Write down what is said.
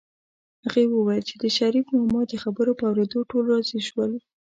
هغې وویل چې د شريف ماما د خبرو په اورېدو ټول راضي شول